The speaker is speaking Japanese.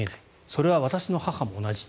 それは私の母も同じ。